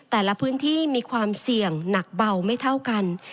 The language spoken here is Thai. แต่ละพื้นที่มีความเสี่ยงหนักเบาไม่เท่ากัน